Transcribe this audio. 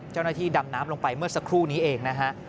เจ้าหน้าที่ดำน้ำลงไปเมื่อสักครู่นี้เองนะฮะ